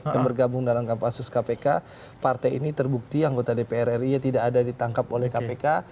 yang bergabung dalam kapasitas kpk partai ini terbukti anggota dpr ri tidak ada ditangkap oleh kpk